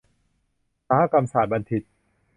อุตสาหกรรมศาสตรบัณฑิต